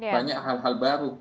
banyak hal hal baru